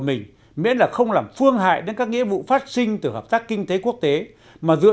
mình miễn là không làm phương hại đến các nghĩa vụ phát sinh từ hợp tác kinh tế quốc tế mà dựa